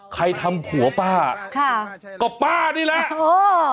ใครทำผัวป้าค่ะก็ป้านี่แหละโอ้